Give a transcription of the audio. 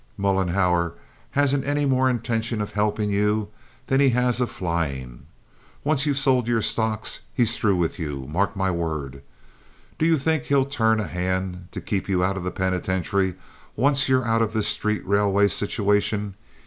Mollenhauer hasn't any more intention of helping you than he has of flying. Once you've sold your stocks he's through with you—mark my word. Do you think he'll turn a hand to keep you out of the penitentiary once you're out of this street railway situation?